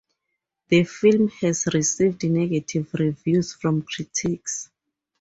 The film has received negative reviews from critics.